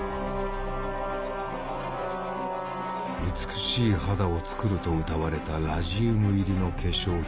美しい肌を作るとうたわれたラジウム入りの化粧品。